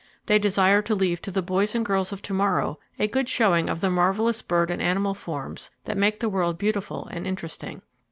They desire to leave to the boys and girls of tomorrow a good showing of the marvelous bird and animal forms that make the world beautiful and interesting.